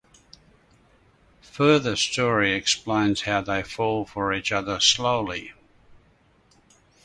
Further story explains how they fall for each other slowly.